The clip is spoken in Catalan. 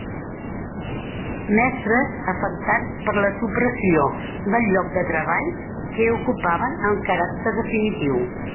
Mestres afectats per la supressió del lloc de treball que ocupaven amb caràcter definitiu.